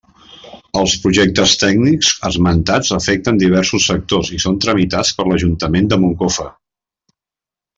Els projectes tècnics esmentats afecten diversos sectors i són tramitats per l'Ajuntament de Moncofa.